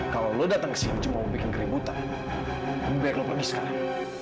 kalau lo datang kesini cuma mau bikin keributan lebih baik lo pergi sekarang